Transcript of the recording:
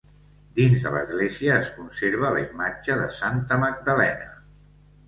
Dins de l'església es conserva la Imatge de Santa Magdalena.